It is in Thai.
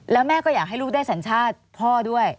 แล้วแม่ก็อยากให้ลูกได้สัญชาติพ่อด้วย